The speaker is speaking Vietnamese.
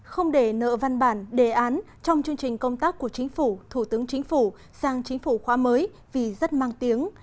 không để nợ văn bản đề án trong chương trình công tác của chính phủ thủ tướng chính phủ sang chính phủ khóa mới vì rất mang tiếng